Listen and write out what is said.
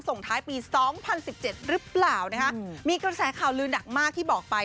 สองท้ายปีสองพันสิบเจ็ดหรือเปล่านะฮะมีกระแสขาวลืนหนักมากที่บอกไป